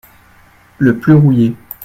Le plus rouillé.